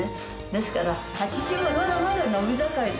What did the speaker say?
ですから８０はまだまだ伸び盛りです！